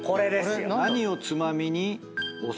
何をつまみにお酒？